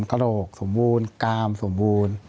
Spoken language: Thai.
กระโหลกสมบูรณ์กามสมบูรณ์